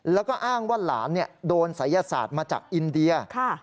แล้วก็อ้างว่าหลานโดนศัยศาสตร์มาจากอินเดีย